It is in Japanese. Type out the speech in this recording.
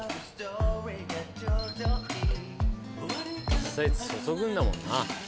実際注ぐんだもんな。